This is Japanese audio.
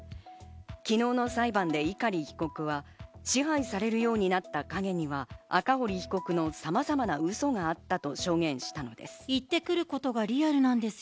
昨日の裁判で碇被告は、支配されるようになった陰には赤堀被告のさまざまなうそがあったと証言したのです。